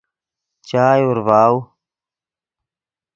چائے اورڤاؤ